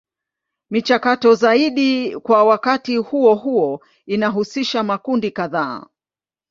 Michakato zaidi kwa wakati huo huo inahusisha makundi kadhaa.